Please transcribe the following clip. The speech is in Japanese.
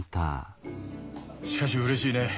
しかしうれしいね。